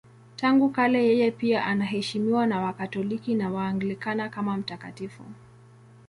Tangu kale yeye pia anaheshimiwa na Wakatoliki na Waanglikana kama mtakatifu.